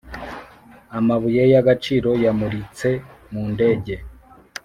amabuye y'agaciro-yamuritse mu ndege -